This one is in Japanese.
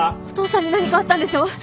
お父さんに何かあったんでしょ？